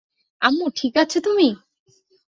আম্মু, ঠিক আছো তুমি?